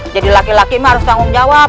jadi laki laki harus bertanggung jawab